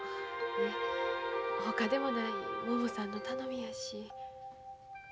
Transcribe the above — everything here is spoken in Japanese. ほかでもないももさんの頼みやし。